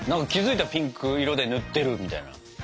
気付いたらピンク色で塗ってるみたいな。